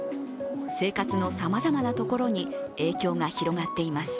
生活のさまざまなところに影響が広がっています。